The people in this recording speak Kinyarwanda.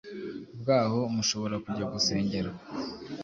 bwaho mushobora kujya gusengera .